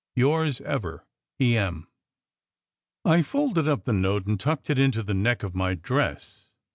Yours ever, E. M." I folded up the note and tucked it into the neck of my dress.